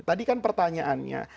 tadi kan pertanyaannya